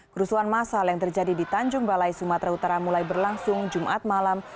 kerusuhan masal yang terjadi di tanjung balai sumatera utara mulai berlangsung jumat malam